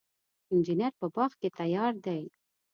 انجیر په باغ کې تیار دی.